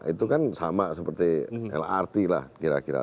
itu kan sama seperti lrt lah kira kira